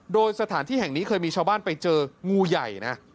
โดยสถานที่แห่งนี้เคยมีชาวบ้านไปเจองูใหญ่นะ